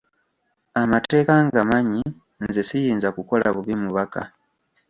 Amateeka ngamanyi nze siyinza kukola bubi mubaka.